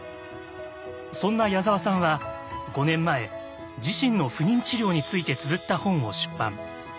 そんな矢沢さんは５年前自身の不妊治療についてつづった本を出版。